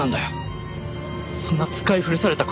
そんな使い古された言葉で。